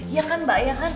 iya kan mbak